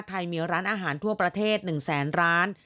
ไทยมีร้านอาหารทั่วประเทศ๑แสนร้าน